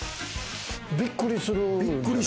びっくりする。